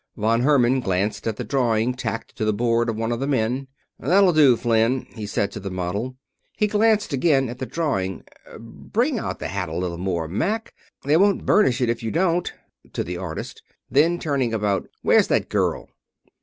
Von Herman glanced at the drawing tacked to the board of one of the men. "That'll do, Flynn," he said to the model. He glanced again at the drawing. "Bring out the hat a little more, Mack. They won't burnish it if you don't," to the artist. Then, turning about, "Where's that girl?"